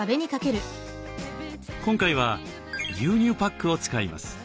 今回は牛乳パックを使います。